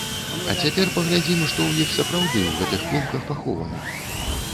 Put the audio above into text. А цяпер паглядзім, што ў іх сапраўды ў гэтых клумках пахована.